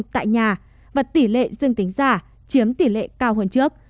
tại nhà và tỷ lệ dương tính giả chiếm tỷ lệ cao hơn trước